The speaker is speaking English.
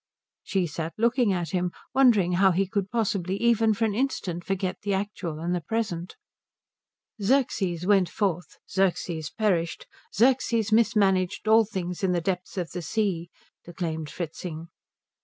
She sat looking at him, wondering how he could possibly even for an instant forget the actual and the present. "'Xerxes went forth, Xerxes perished, Xerxes mismanaged all things in the depths of the sea '" declaimed Fritzing.